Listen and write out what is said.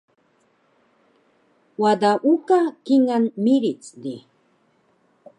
Wada uka kingal miric di